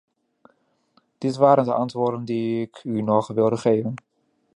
Dit waren de antwoorden die ik u nog wilde geven.